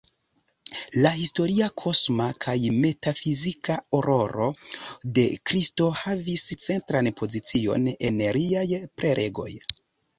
La historia, kosma kaj metafizika rolo de Kristo havis centran pozicion en liaj prelegoj.